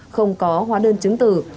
không có hóa đơn chứng tử